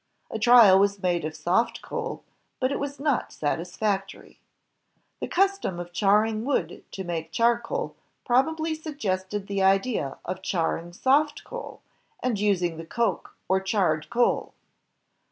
A trial was made of soft coal, but it was not satisfactory. The custom of char ring wood to make charcoal probably suggested the idea of charring soft coal, and using the coke, or charred coal.